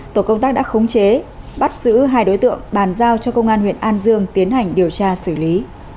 tổ công tác đã khống chế bắt giữ hai đối tượng bàn giao cho công an huyện an dương tiến hành điều tra xử lý